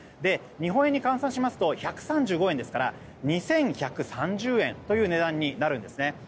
日本円に換算すると１ドル＝１３５円ですから２１３０円という値段になるんですね。